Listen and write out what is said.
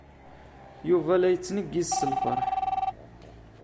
Yuba la yettneggiz seg lfeṛḥ.